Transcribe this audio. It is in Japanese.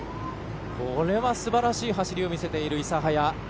これはすばらしい走りを見せている諫早。